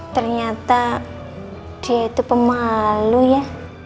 ternyata dia itu pemalu ya